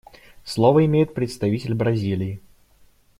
Слово имеет представитель Бразилии.